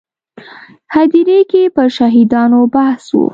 هدیرې کې پر شهیدانو بحث و.